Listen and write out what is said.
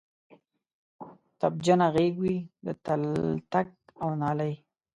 تبجنه غیږ وی د تلتک او نالۍ